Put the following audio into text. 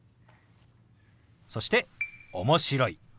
そして「面白い」。